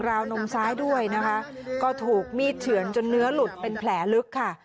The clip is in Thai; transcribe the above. วนมซ้ายด้วยนะคะก็ถูกมีดเฉือนจนเนื้อหลุดเป็นแผลลึกค่ะ